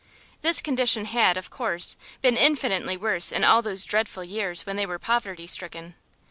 This condition had, of course, been infinitely worse in all those dreadful years when they were poverty stricken.